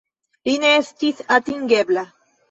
Li ne estis atingebla.